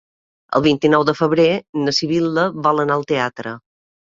El vint-i-nou de febrer na Sibil·la vol anar al teatre.